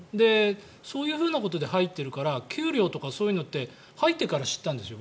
そういうふうなことで入っているから給料とかそういうのって入ってから知ったんですよ